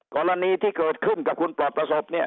กรณีที่เกิดขึ้นกับคุณปลอดประสบเนี่ย